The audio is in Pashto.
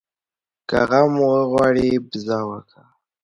که غم غواړې ، بزه وکه.